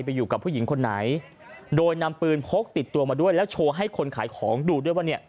อยู่กับผู้หญิงคนไหนโดยนำปืนพกติดตัวมาด้วยแล้วโชว์ให้คนขายของดูด้วยว่าเนี่ย